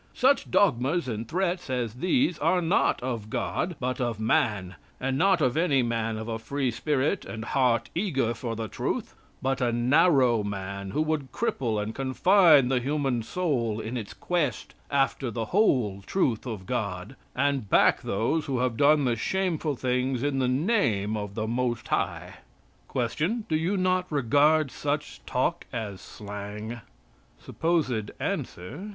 Such dogmas and threats as these are not of God, but of man, and not of any man of a free spirit and heart eager for the truth, but a narrow man who would cripple and confine the human soul in its quest after the whole truth of God, and back those who have done the shameful things in the name of the Most High." Q. Do you not regard such talk as slang? (Supposed) Answer.